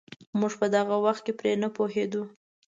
موږ په دغه وخت کې پرې نه پوهېدو.